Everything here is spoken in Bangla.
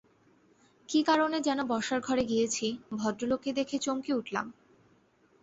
কী কারণে যেন বসার ঘরে গিয়েছি, ভদ্রলোককে দেখে চমকে উঠলাম।